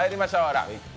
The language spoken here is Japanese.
「ラヴィット！」